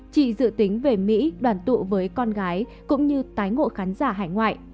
chị dự tính về mỹ đoàn tụ với con gái cũng như tái ngộ khán giả hải ngoại